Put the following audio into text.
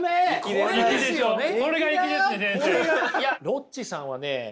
ロッチさんはね